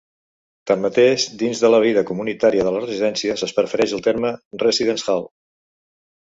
Tanmateix, dins la vida comunitària de les residències es prefereix el terme "residence hall".